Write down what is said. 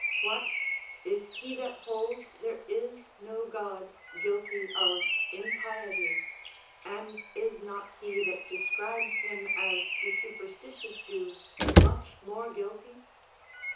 What 1 Is he tliat holds there is no God guilty of impiety, and is not he that describes him as the superstitious do much more guilty'?